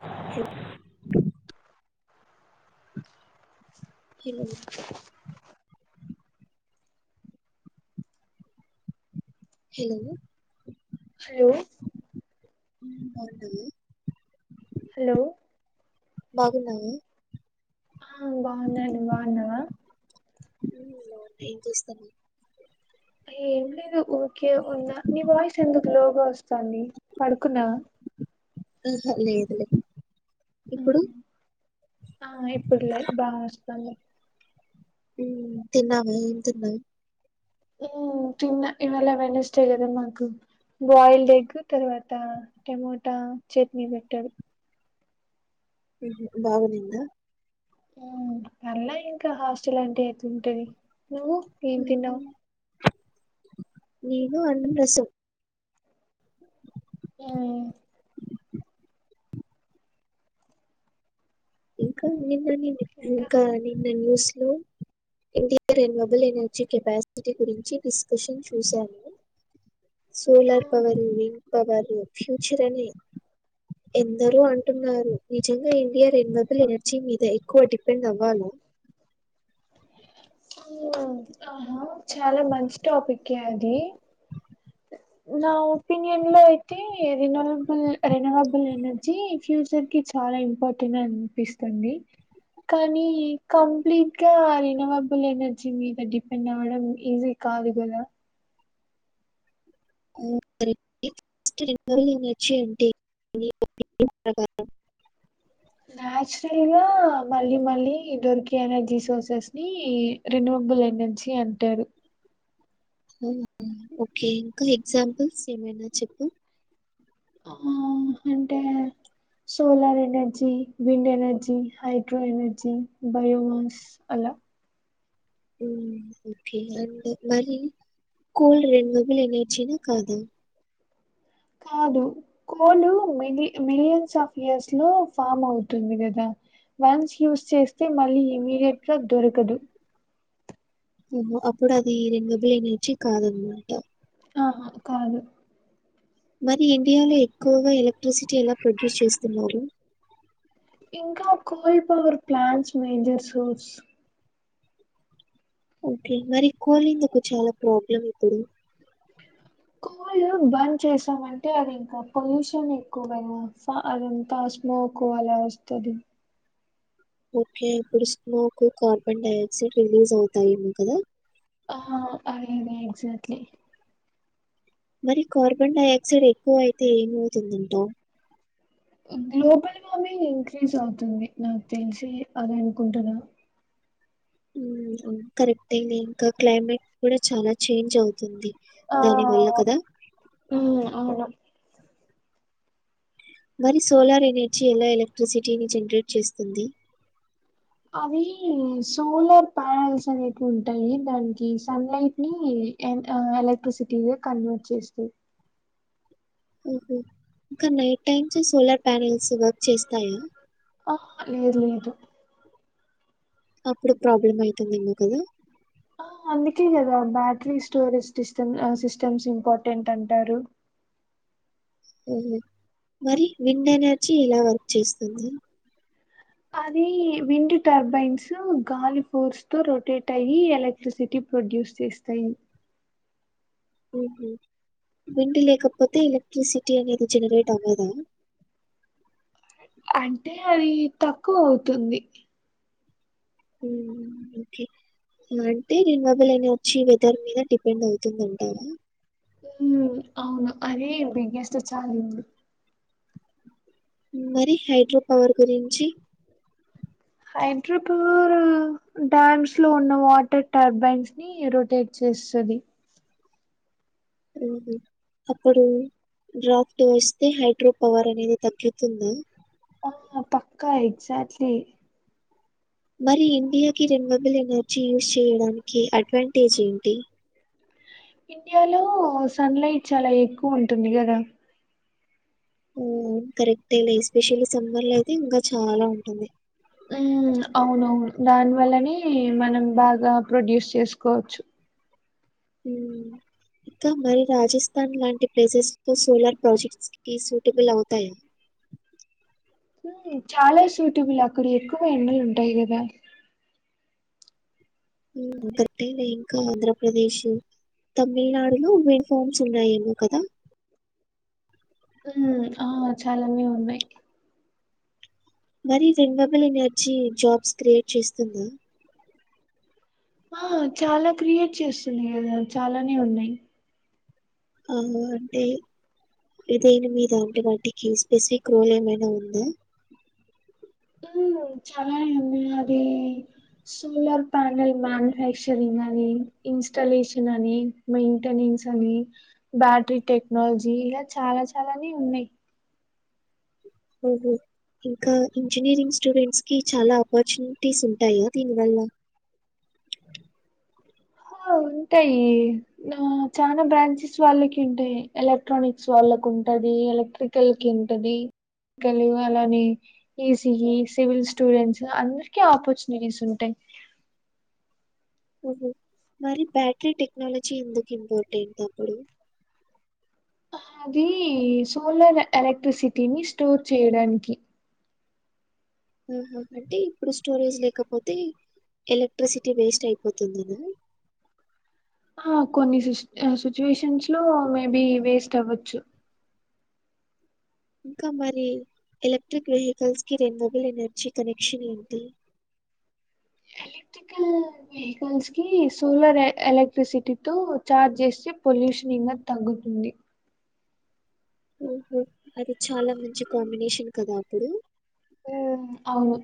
హ కి ల హలో హలో మ్ బావుంటది హలో బాగున్నావా ఆ బావున్నాండి బావున్నవా ఏం లేదు ఏం జేస్తనవ్ ఏం లేదు ఊర్కే ఉన్న నీ వాయిస్ ఎందుకు లోగా వస్తాంది పడుకున్నవా ఆహా లేదులే ఉమ్. ఇప్పుడు ఆ ఇప్పుడులేదు బాగొస్తుంది ఉమ్ తిన్నావా ఏం తిన్నవ్ ఉమ్ తిన్న ఇవ్వాళ వెడ్నెర్స్డే కదా మాకు బాయిల్డ్ ఎగ్ తర్వాత టమోటా చట్నీ పెట్టాడు బాగుండిందా ఉ అల్లా ఇంకా హాస్టల్ అంటే ఎట్లాంటాది నువ్వు ఏం తిన్నావు నేనూ అన్నం రసం ఉ ఇంకా నిన్న నిేను ఇంకా నిన్న న్యూస్ లో ఇంటి రెన్యుబుల్ ఎనర్జీ కెపాసిటీ గురించి డిస్కషన్ చూశాను సోలార్ మ్మ్ పవరు వింగ్డ్ పవరు ఫ్యూచర్ అని ఎందరో అంటున్నారు నిజంగా ఇండియర్ రెండ్ ఎంద ల్ ఎనర్జీ మీద ఎక్కువ డిపెండ్ అవ్వాలో ఉ ఆహా చాలా మంచి టాపికే అది నా ఒపనియన్ లో అయితే రినవబుల్ రెనవాబుల్ ఎనర్ ర్జీ ఫ్యూచర్ కి చాలా ఇంపార్టెంట్ అనిపిస్తుంది కానీ కంప్లీట్ గా రినవబుల్ ఎనర్జీ మీద డిపెండ్ అవ్వడం ఈజీ కాదు గదా [inaudible] అంటే ఏంటి మీ ఒపీనియన్ ప్రకారం నాచురల్గా మళ్ళీ మళ్ళీ దొరికే ఎనర్జీ సోర్సెస్ ని రెన్యువల్ ఎనర్జీ అంటారు ఉ ఓకే ఇంకా ఎగ్జాంపుల్స్ ఏమైనా చెప్పు ఆ అంటే solar energy wind energy hydro energy biomass అలా హుం ఓకే అండ్ మరి కోల్ రెనివబుల్ ఎనర్జీనా కదా కాదు కోలు మిలి మిలియన్స్ ఆఫ్ ఇయర్స్ లో ఫామ్ అవుతుంది కదా వన్స్ యూజ్ చేస్తే మళ్ళీ ఇమీడియట్ గా దొరకదు ఓహో అప్పుడు అది రెండు రెనివబుల్ ఎనర్జీ కాదనమాట ఆ హా కాదు మరి ఇండియాలో ఎక్కువగా ఎలక్ట్రిసిటీ ఎలా ప్రొడ్యూస్ చేస్తున్నారు ఇంకా coal power plants major source okay మరి కోలిందుకు చాలా ప్రాబ్లం ఇప్పుడు కోల్ బంద్ చేసామంటే అది ఇంకా పొల్యూషన్ ఎక్కువగా అదంతా స్మోక్ అలా వ త్తది ఓకే ఇప్పుడు smoke carbon dioxide release అవుతాయేమో కదా ఆ అదే అదే ఎక్జాట్లీ మరి కార్బన్ డైఆక్సైడ్ ఎక్కువ అయితే ఏమవుతుంది అంటావ్ గ్లోబల్ వార్మింగ్ ఇంక్రీజ్ అవుతుంది నాకు తెలిసి అదే అనుకుంటున్నా ఉ కరెక్ట్ అయింది ఇంకా క్లైమేట్ కూడా చాలా చేంజ్ అవుతుంది దాని వల్ల కదా ఆ అవునా మరి సోలార్ ఎనర్జీ ఎలా ఎలక్ట్రిసిటీని జనరేట్ చేస్తుంది అవి సోలార్ ప్యానెల్స్ అనేవి ఉంటాయి దానికి సన్ లైట్ ని అండ్ ఆ ఎలక్ట్రిసిటీగా కన్వర్ట్ చేస్తాయి ఉహు ఇంకా night times solar panels work చేస్తాయా అ లేదు ఇదు అప్పుడు ప్రాబ్లమ్ అవుతుంది ఏమో కదా ఆ అందుకే కదా battery storage system systems important అంటారు. ఓహో మరి విండ్ ఎనర్జీ ఇలా వర్క్ చేస్తుంది. అది విం టర్బైన్స్ గాలి ఫోర్స్ తో రొటేట్ అయ్యి ఎల సిటీ ప్రొడ్యూస్ చేస్తాయి. ఆహ విండి లేకపోతే ఎలక్ట్రిసిటీ అనేది జనరేట్ అవ్వదా? అంటే అది తక్కువ అవుతుంది. ఓకే అంటే రెం బబుల్ని వచ్చి వెదర్ మీద డిపెండ్ అవుతుందంటార? మ్ అవును అదే బిగ్గెస్ట్ చాలెంజ్ మరి హైడ్రో పవర్ గురించి హైద్రపూర్ డ్యామ్స్ లో ఉన్న వాటర్ టర్బైన్స్ ని ని రొటేట్ చేస్తది. ఉ అప్పుడు డ్రాఫట్ వస్తే హైడ్రో పవర్ అనేది తగ్గుతుంది. ఆ పక్కా ఎక్జాక్ట్లీ మరి ఇండియాకి రెన్యువబుల్ ఎనర్జీ యూజ్ చేయడానికి అడ్వాంటేజ్ ఏంటి? ఇండియాలో సన్ లైట్ చాలా ఎక్కువ ఉంటుంది కదా ఉ కరెక్ట్ లె ఎస్పెషల్లీ సమ్మర్ లో అయితే ఇంకా చాలా ఉంటుంది. మ్ అవునవును దాని వల్లనే మనం బాగా ప్రొడ్యూస్ చేసుకోవచ్చు. ఊ ఇంకా మరి రాజస్థాన్ లాంటి ప్లేసెస్ తో సోలార్ ప్రాజెక్ట్స్ కి సూటబుల్ అవుతాయా? మ్ చాలా సూటబుల్ అక్కడ ఎక్కువ ఎండలు ఉంటాయి కదా ఒకటే ఇంకా ఆంధ్రప్రదేశ్ తమిళనాడులో మెన్ ఫామ్స్ ఉన్నాయేమో కదా ఉ ఆ చాలానే ఉన్నాయి. మరి రెన్వబుల్ ఎనర్జీ జాబ్స్ క్రియేట్ చేస్తుంది. ఆ చాలా క్రియేట్ చేస్తున్నాయి కదా చాలానే ఉన్నాయి. అవును అంటే ఇదని మీద అంటే వాటికి స్పెసిఫిక్ రోల్ ఏమైనా ఉందా? మ్ చాలానే ఉంది నాది సోలార్ ప్యానెల్ మ్యానుఫ్యాక్చరింగ్ అని, ఇన్స్టాలేషన్ అని మెయింటెనెన్స్ అని, బ్యాటరీ టెక్నాలజీ ఇలా చాలా చాలాని ఉన్నాయి. ఆహ ఇంకా ఇంజనీరింగ్ స్టూడెంట్స్ కి చాలా ఆపర్చునిటీస్ ఉంటాయా దీని వల్ల? హ ఉంటాయి ఆ చాలా బ్రాంచెస్ వాళ్ళకి ఉంటాయి. ఎలక్ట్రానిక్స్ వాళ్ళకు ఉంటది ఎలక్ట్రిక్ కలికి ఉంటది కలియు అలానే ఈజీఇ సివిల్ స్టూడెంట్స్ అందరికి ఆపర్చునిటీస్ ఉంటాయి. ఓహో మరి బ్యాటరీ టెక్నాలజీ ఎందుకు ఇంపార్టెంట్ అప్పుడు? అది సోలార్ ఎలక్ట్రిసిటీని స్టోర్ చేయడానికి ఆహా అంటే ఇప్పుడు స్టోరేజ్ లేకపోతే ఎలక్ట్రిసిటీ వేస్ట్ అయిపోతుంది కదా ఆ కొన్ని సిచ్యువేషన్స్ లో మేబి వేస్ట్ అవ్వచ్చు. ఇంకా మరి ఎలక్ట్రిక్ వెహికల్స్ కి రెనోబుల్ ఎనర్జీ కనెక్షన్ ఏంటి? వెహికల్స్ కి సోలార్ ఎలక్ట్రిసిటీతోో చార్జ్ చేస్తే పొల్యూషన్ ఇంకా తగ్గుతుంది ఉహు అది చాలా మంచి కాంబినేషన్ కదా అప్పుడు ఉమ్ అవును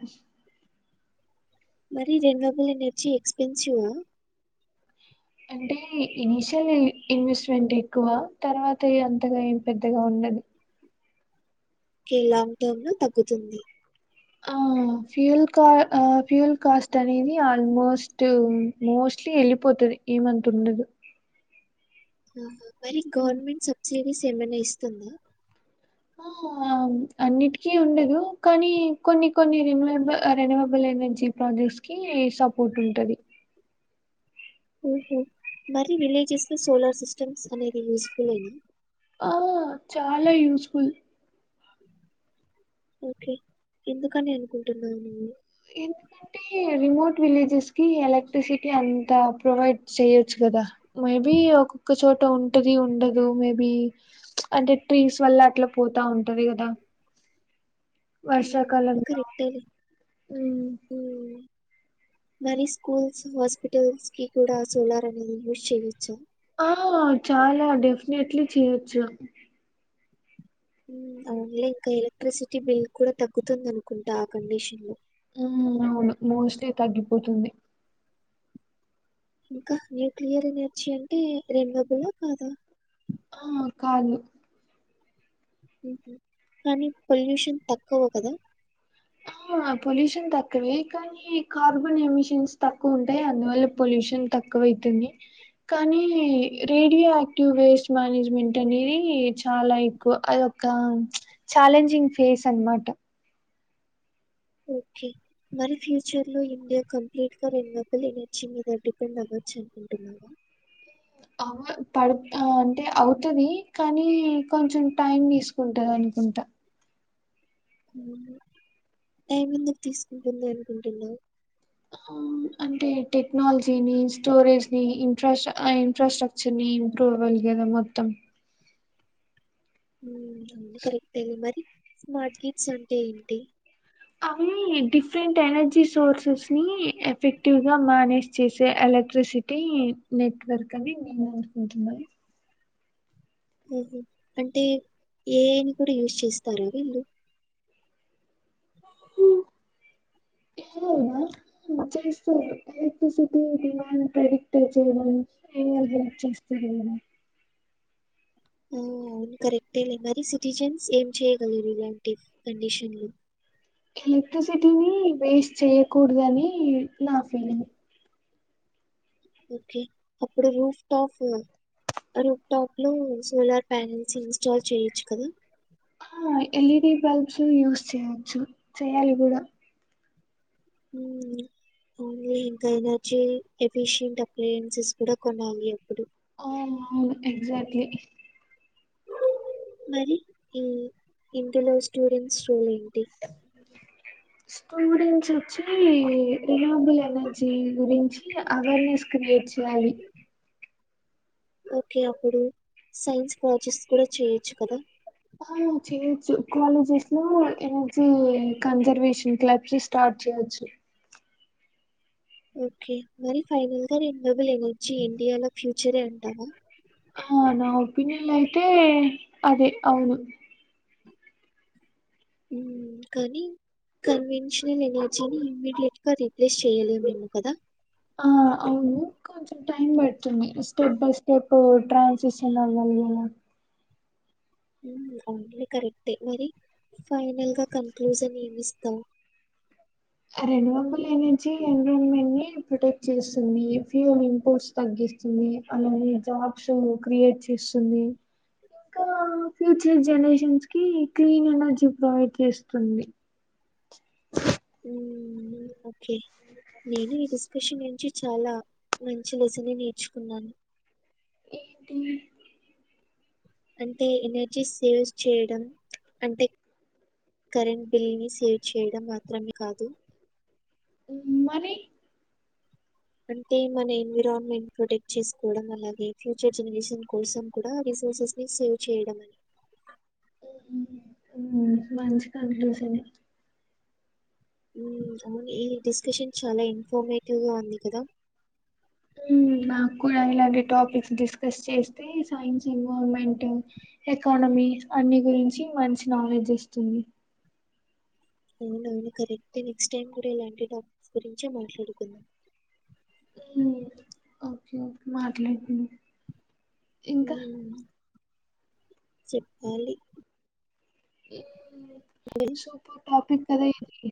మరి రెనోవాబ్లాల్ అనేర్జీ ఎక్స్పెన్సివ్ అంటే ఇనీషియల్ ఇన్వెస్ట్మెంట్ ఎక్కువ తర్వాత ఇగ అంతగా ఏం పెద్దగా ఉండదు లాంగ్ టర్మ్ లో తగ్గుతుంది ఆ ఫ్యూల్ ఫ్యూల్ కాస్ట్ అనేది ఆల్మోస్ట్ మోస్ట్లీ వెళ్ళిపోతుది ఈ మంత్ ఉండదు ఆ మరి హ్మ్. గవర్నమెంట్ సబ్సిడీస్ ఏమైనా ఇస్తుందా ఆ అన్నిటికీ ఉండదు కానీ కొన్ని కొన్ని రెన్వబుల్ రెన్వబుల్ ఎనర్జీ ప్రాజెక్ట్స్ కి సపోర్ట్ ఉంటది ఉహు మరి విలేజెస్ లో సోలార్ సిస్టమ్స్ అనేది యూస్ ఫుల్ అయినా ఆ చాలా యూస్ఫుల్ ఓకే ఎందుకని అనుకుంటున్నాను నేను ఎ అ రిమోట్ విలేజెస్ కి ఎలక్ట్రిసిటీ అంత ప్రొవైడ్ చెయొచ్చు కదా మేబి ఒక్కొక్క చోట ఉంటది ఉండదు మేబి అంటే ట్రీస్ వల్ల అట్లా పోతా ఉంటది కదా ఇంకా రేపటి హ్మ్. మరి స్కూల్స్ హాస్పిటల్స్ కి కూడా సోలార్ అనేది యూజ్ చేయవచ్చు ఆ చాలా డెఫినెట్లీ చేయొచ్చు ఓన్లీ ఇంకా ఎలక్ట్రిసిటీ బిల్ కూడా తగ్గుతుంది అనుకుంటా ఆ కండిషన్ లో అవును మోస్ట్లీ తగ్గిపోతుంది ఇంకా న్యూక్లియర్ ఎనర్జీ అంటే రెన్యుబు ల్ కాదా ఆ కాదు కానీ పొల్యూషన్ తక్కువ కదా ఆ పొల్యూషన్ తక్కువే కాని ఈ కార్బన్ ఎమిషన్స్ తక్కువ ఉంటాయి అందువల్ల పొల్యూషన్ తక్కువ అయితుంది కానీ రేడియో ఆయాక్టివ్ వేస్ట్ మేనేజ్మెంట్ అనేది చాలా ఎక్కువ అ ఒక చాలెంజింగ్ ఫేస్ అనమాట ఓకే మరి ఫ్యూచర్ లో ఇండియా కంప్లీట్ గా రెండు లోపల ఎనర్జీ మీద డిపెండ్ అవ్వచ్చు అంట అవ పడు అంటే అవుతుంది కానీ కొంచెం టైం తీసుకుంటంది అనుకుంటా టైం ఎందుకు తీసుకుంటుంది అనుకుంటున్నా అంటే టెక్నాలజీని స్టోరేజ్ ని ఇంట్రెస్ట్ ఆ ఇన్ఫ్రాస్ట్రక్చర్ చిని ఇంట్లో అవ్వాలి కదా మొత్తం అవు కరెక్ట్ అది మరి స్మార్ట్ గిడ్స్ అంటే ఏంటి అవి డిఫరెంట్ ఎనర్జీ సోర్సెస్ ని ఎఫెక్టివ్ గా మేనేజ్ చేసే ఎలక్ట్రిసిటీ ఒకటి నెట్వర్క్ అని నేను అనుకుంటున్నా ఉహు అంటే ఏఐ నీ కూడా యూజ్ చేస్తార వీళ్ళు ఉమ్ అవునా చేస్త ఎలెక్ట్రిసిటీ దడిమాండ్ ప్రెడిక్ట్ అ చేయడని. [unintelligible] హెల్ప్ చేస్త కదా ఆ అవును కరెక్టేలే మరి సిటిజన్స్ ఏం చేయ్యగలరు ఇలాంటి కండిషన్లు ఎలక్ట్రిసిటీని వేస్ట్ చేయకూడదని నా ఫీలింగ్ ఓకే అప్పుడు రూఫ్ టాఫ్ రూప్టాప్ లో సోలార్ ప్యానెల్స్ ఇన్స్టాల్ చేయ్యొచ్చు కదా ఆ ఎల్ఈడి బల్బ్స్ యూస్ చేయొచ్చు చేయాలి కూడా ఉ ఓన్లీ ఇంకా ఎనర్జీ ఎఫిషియంట్ అప్లయన్సెస్ కూడా కొనాలి అప్పుడు ఆవ్ ఆవును ఎక్సాక్ట్లీ మరి ఈ ఇంటిలో స్టూడెంట్స్ రోలేంటి బ్లాంక్ స్టూడెంట్స్ వచ్చి రినబుల్ ఎనర్జీ గురించి అవేర్నెస్ క్రియేట్ చేయాలి ఓకే అప్పుడు సైన్స్ ప్రాజెక్ట్స్ కూడా చేయొచ్చు కదా ఆ చేయొచ్చు కాలేజెస్లో ఎనర్జీ కన్జర్వేషన్ క్లబ్స్ స్టార్ట్ చేయొచ్చు ఓకే మరి ఫైనల్ గా రినవబుల్ ఎనర్జీ ఇండియాలో ఫ్యూచరే అంటావా ఆ నా ఒపినయన్ అయితే అదే అవును ఉమ్ కానీ కన్వెన్షనల్ ఎనర్జీని ఇమ్మీడియట్ గా రీప్లేస్ చెయ్యలేము మేము కదా ఆ అవును కొంచెం టైం బడుతుంది స్టెప్ బై స్టెప్ ట్రాన్సిషన్ అవ్వలిలా అ గూడ కరెక్టే మరి ఫైనల్ గా కన్క్లూజన్ ఏమిస్తవ్ ఆ రెండువబుల ఎనర్జీ ఎన్విరాన్మెంట్ ని ప్రొటెక్ట్ చేస్తుంది ఫ్యూల్ ఇంపోర్ట్స్ తగ్గిస్తుంది అలానే జాబ్స్ క్రియేట్ చేస్సుంది కా ఫ్యూచర్ జనరేషన్స్ కి క్లీన్ ఎనర్జీ ప్రొవైడ్ చేస్తుంది ఉ ఓకే నేను కుషి నుంచి చాలా మంచి లెసనే నేర్చుకున్నాను ఏటూనే అంటే ఎనర్జీ సేవ్ చేయడం అంటె కరెంట్ బిల్ని సేవ్ చేయడం మాత్రమే కాదు ఉమ్ మరి అంటే మన ఎన్విరాన్మెంట్ ప్రొటెక్ట్ చేసుకోవడం అలాగే ఫ్యూచర్ జనరేషన్ కోసం కుడా రీసోర్సెస్ ని సేవ్ చేయడమని ఉమ్ ఉమ్మ్ మంచి కంక్లూసన్నే ఊమ్ అవుని ఈ డిస్కషన్ చాలా ఇన్ఫార్మేటివ్ గా ఉంది కదా నాకు కూడా ఇలాంటి టాపిక్స్ డిస్కస్ చేస్తే సైన్స్ ఇన్వాల్వ్మెంట్ ఎకానమీ అన్ని గురించి మంచి నాలెడ్జ్ ఇస్తుంది అవునవును కరెక్టే నెక్స్ట్ టైమ్ గూడా ఇలాంటి టాక్స్ గురించే మాట్లాడుకున్నాం హ ఓకే ఓక్ మాట్లాండి ఉఊమ్ చెప్పలి ఏ వెల్ సూపర్ టాపిక్ కద ఇది